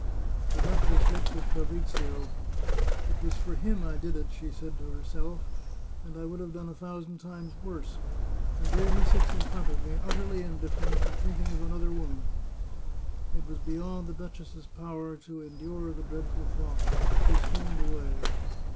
The duchess looked at Fabrizio. " It was for him I did it," she said to herself, " and I would have done a thousand times worse. And there he sits in front of me, utterly indif ferent, and thinking of another woman !" It was beyond the duchess's power to endure the dreadful thought; she swooned away.